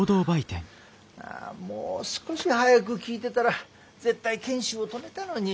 もう少し早く聞いてたら絶対賢秀を止めたのに。